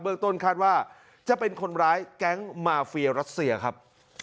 ต้นคาดว่าจะเป็นคนร้ายแก๊งมาเฟียรัสเซียครับ